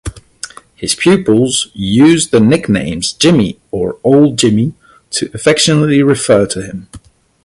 His pupils used the nicknames "Jimmy" or "old Jimmy" to affectionately refer to him.